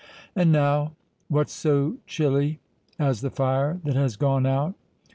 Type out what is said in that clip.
And now, what so chilly as the fire that has gone out!